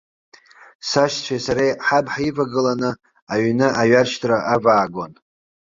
Сашьцәеи сареи ҳаб ҳивагыланы аҩны аҩаршьҭра аваагон.